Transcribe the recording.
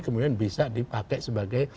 kemudian bisa dipakai sebagai